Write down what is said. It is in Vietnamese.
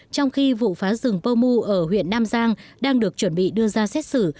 trong khi vụ phá rừng pomu ở huyện nam giang đang được chuẩn bị đưa ra xét xử